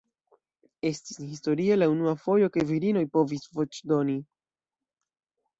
Estis historie la unua fojo ke virinoj povis voĉdoni.